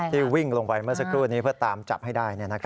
วิ่งลงไปเมื่อสักครู่นี้เพื่อตามจับให้ได้